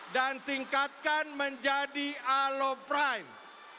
dan tingkatkan menjadi alo prime